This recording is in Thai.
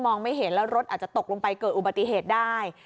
ไม่เห็นแล้วรถอาจจะตกลงไปเกิดอุบัติเหตุได้